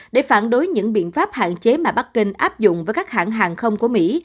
để phản đối những biện pháp hạn chế mà bắc kinh áp dụng với các hãng hàng không của mỹ